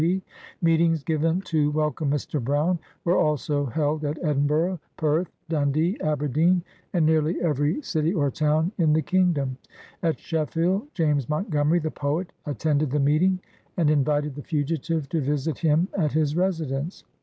P. Meetings given to wel come Mr. Brown were also held at Edinburgh, Perth, Dundee, Aberdeen, and nearly every city or town in the Kingdom. At Sheffield, James Montgomery, the poet, attended the meeting, and invited the fugitive to visit him at his residence.